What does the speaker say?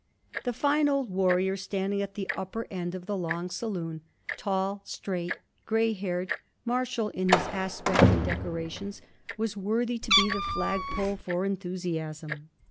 The fine old warrior standing at the upper end of the long saloon, tall, straight, grey haired, martial in his aspect and decorations, was worthy to be the flag pole for enthusiasm.